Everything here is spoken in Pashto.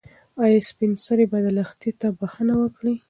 ایا سپین سرې به لښتې ته بښنه وکړي؟